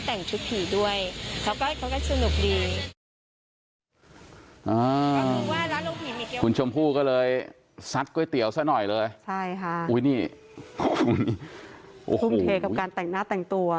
แต่ทุ่มเทกับการแต่งหน้าแต่งตัว